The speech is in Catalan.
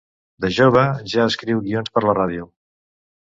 De jove, ja escriu guions per la ràdio.